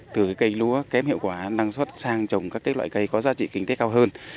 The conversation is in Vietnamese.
từ cây lúa kém hiệu quả năng suất sang trồng các loại cây có giá trị kinh tế cao hơn